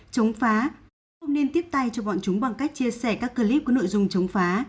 chống phá không nên tiếp tay cho bọn chúng bằng cách chia sẻ các clip có nội dung chống phá